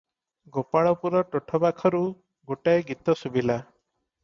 ଗୋପାଳପୁର ତୋଠପାଖରୁ ଗୋଟାଏ ଗୀତ ଶୁଭିଲା -